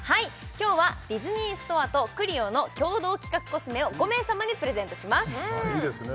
今日はディズニーストアとＣＬＩＯの共同企画コスメを５名様にプレゼントしますいいですね